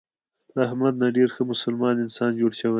له احمد نه ډېر ښه مسلمان انسان جوړ شوی دی.